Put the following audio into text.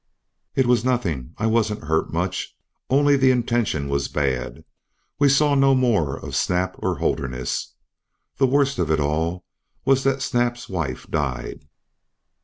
"It was nothing I wasn't hurt much. Only the intention was bad. We saw no more of Snap or Holderness. The worst of it all was that Snap's wife died."